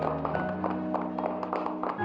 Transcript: jangan seeap kuch kita